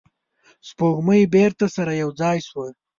سپوږمۍ بیرته سره یو ځای شوه.